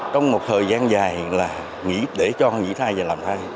trong một thời gian dài là để cho người nghỉ thai và làm thai